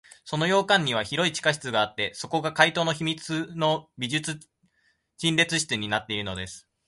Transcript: その洋館には広い地下室があって、そこが怪盗の秘密の美術陳列室になっているのです。